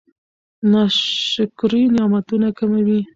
ناشکري نعمتونه کموي.